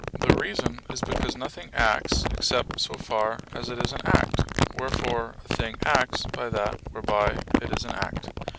The reason is because nothing acts except so far as it is in act; wherefore a thing acts by that whereby it is in act.